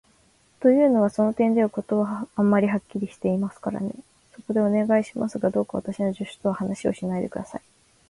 というのは、その点では事はあまりにはっきりしていますからね。そこで、お願いしますが、どうか私の助手とは話をしないで下さい。